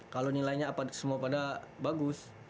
kalau nilainya apa semua pada bagus